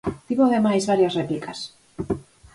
Tivo ademais varias réplicas.